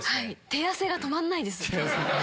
手汗が止まんないです。